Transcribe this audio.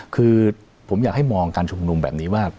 คือผมอยากให้มองการชุมนุมแบบนี้ว่า